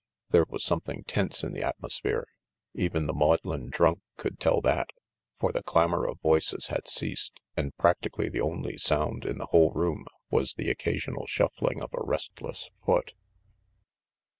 There was something tense in the atmosphere. Even the maudlin drunk could tell that. For the clamor of voices had ceased and practically the only sound in the whole room was the occasional shuffling of a restless foot.